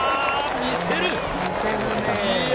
見せる！